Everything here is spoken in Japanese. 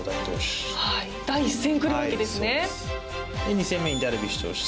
２戦目にダルビッシュ投手